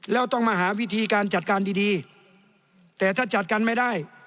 แล้วต้องมาหาวิธีการจัดการดีดีแต่ถ้าจัดการไม่ได้